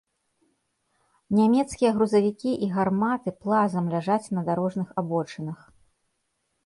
Нямецкія грузавікі і гарматы плазам ляжаць на дарожных абочынах.